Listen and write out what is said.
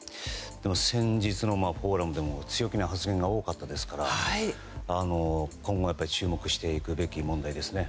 先日のフォーラムでも強気な発言が多かったですから、今後は注目していくべき問題ですね。